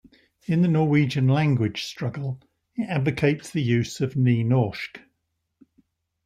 In the Norwegian language struggle, it advocates the use of Nynorsk.